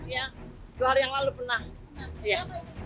ya dua hari yang lalu pernah